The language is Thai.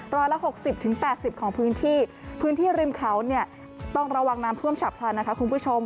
ร้อยละ๖๐๘๐ของพื้นที่พื้นที่ริมเขาเนี่ยต้องระวังน้ำท่วมฉับพลันนะคะคุณผู้ชม